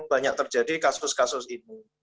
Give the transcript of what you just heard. banyak terjadi kasus kasus ini